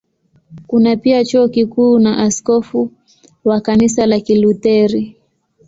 Kuna pia Chuo Kikuu na askofu wa Kanisa la Kilutheri.